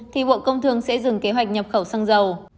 thì bộ công thương sẽ dừng kế hoạch nhập khẩu xăng dầu